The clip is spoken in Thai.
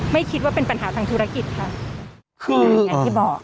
ไม่คิดว่าเป็นปัญหาทางธุรกิจค่ะคืออย่างที่บอก